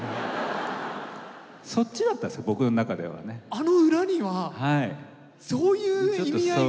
あの裏にはそういう意味合いが！